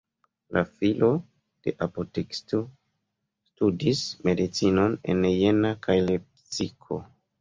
La filo de apotekisto studis medicinon en Jena kaj Lepsiko.